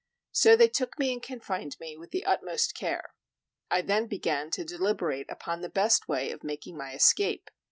So they took me and confined me with the utmost care. I then began to deliberate upon the best way of making my escape.